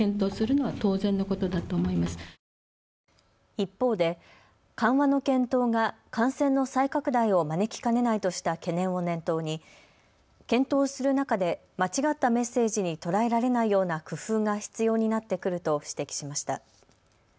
一方で緩和の検討が感染の再拡大を招きかねないとした懸念を念頭に検討する中で間違ったメッセージに捉えられないような工夫が必要になってくると指摘しました。